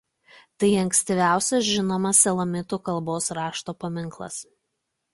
Tai ankstyviausias žinomas elamitų kalbos rašto paminklas.